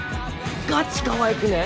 ガチかわいくね？